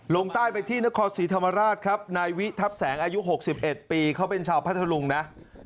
ลงใต้ไปที่นครศรีธรรมราชครับนายวิทัพแสงอายุ๖๑ปีเขาเป็นชาวพัทธลุงนะ